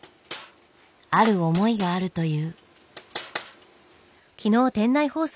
ある思いがあるという。